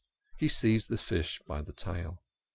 He seized the fish by the tail.